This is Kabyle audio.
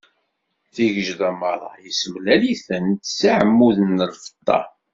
Tigejda meṛṛa yessemlal-itent s yeɛmuden n lfeṭṭa.